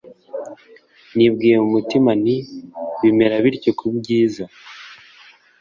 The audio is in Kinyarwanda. Nibwiye mu mutima nti Bimera bityo kubyiza